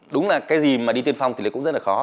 đúng là cái gì mà đi tiên phong thì cũng rất là khó